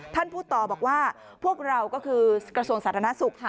ท่านพูดต่อบอกว่าพวกเราก็คือกระทรวงสาธารณสุขค่ะ